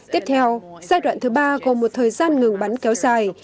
tiếp theo giai đoạn thứ ba gồm một thời gian ngừng bắn kéo dài